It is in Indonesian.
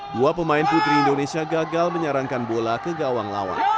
dua pemain putri indonesia gagal menyarankan bola ke gawang lawan